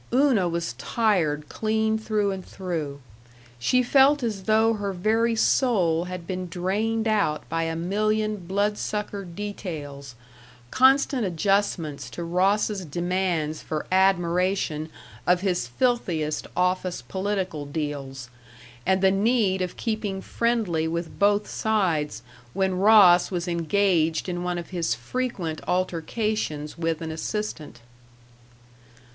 Una was tired clean through and through. She felt as though her very soul had been drained out by a million blood sucker details constant adjustments to Ross's demands for admiration of his filthiest office political deals, and the need of keeping friendly with both sides when Ross was engaged in one of his frequent altercations with an assistant.